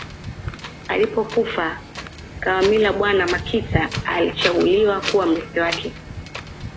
Alipokufa Kawamila bwana Makita alichaguliwa kuwa mrithi wake